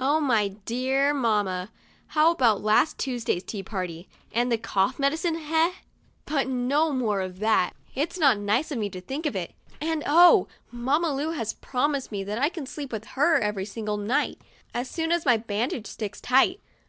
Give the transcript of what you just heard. Oh my dear mamma ! How about last Tuesday's tea party, and the cough medicine, eh ? But no more of that ; it's not 85 SATURDAY— MY MAMMA LOVES ME nice of me to think of it, and oh, Mamma Lu has promised me that I can sleep with her every single night, as soon as my bandage sticks tight